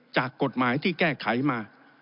จากกฎหมายที่แก้ไขมา